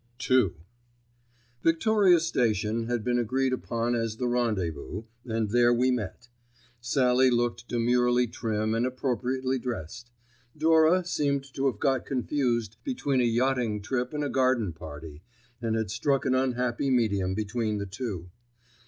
*II* Victoria Station had been agreed upon as the rendezvous, and there we met. Sallie looked demurely trim and appropriately dressed. Dora seemed to have got confused between a yachting trip and a garden party, and had struck an unhappy medium between the two.